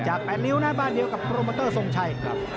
จากแปดนิ้วนะครับเดี๋ยวกับโครมเบอร์เตอร์ทรงชัย